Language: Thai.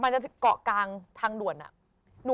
จะเกาะกลางทางด่วนอะ